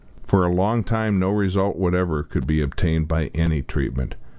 For a long time no result whatever could be obtained by any treatment.